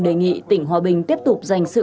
đề nghị tỉnh hòa bình tiếp tục dành sự